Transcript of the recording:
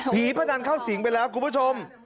พนันเข้าสิงไปแล้วคุณผู้ชม